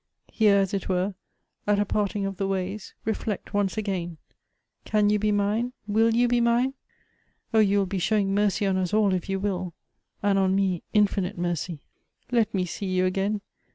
Here as it were, at a parting of the ways, reflect once again. Can you be mine? — will you be mine? Oh, you will be showing mercy on us all if you will ; and on me infinite mercy. "Let me see you again!